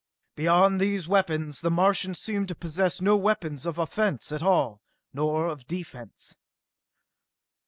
Beyond these weapons, the Martians seemed to possess no weapons of offense at all, nor of defense.